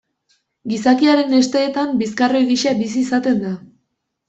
Gizakiaren hesteetan bizkarroi gisa bizi izaten da.